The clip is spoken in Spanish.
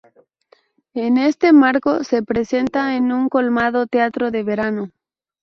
En este marco se presenta en un colmado Teatro de Verano.